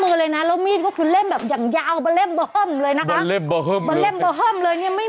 เอาลูกออกเลย